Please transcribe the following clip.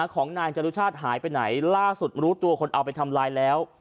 ของนายจรุชาติหายไปไหนล่าสุดรู้ตัวคนเอาไปทำลายแล้ว